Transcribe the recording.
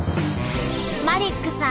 マリックさん